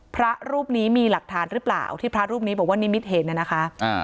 พระรูปนี้มีหลักฐานหรือเปล่าที่พระรูปนี้บอกว่านิมิตเห็นน่ะนะคะ